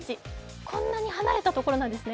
こんなに離れた所なんですね。